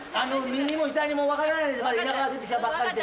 右も左も分からないんで田舎から出てきたばっかりで。